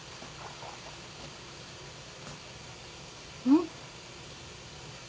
うん？